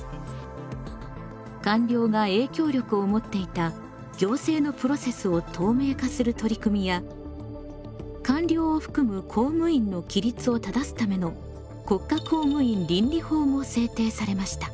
官僚が影響力を持っていた行政のプロセスを透明化する取り組みや官僚を含む公務員の規律を正すための国家公務員倫理法も制定されました。